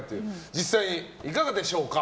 実際、いかがでしょうか。